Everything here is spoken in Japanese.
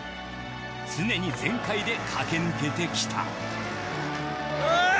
常に全開で駆け抜けてきたうおっ！